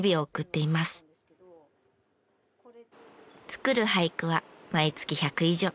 作る俳句は毎月１００以上。